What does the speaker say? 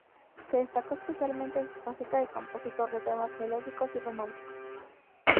Se destacó especialmente en su faceta de compositor de temas melódicos y románticos.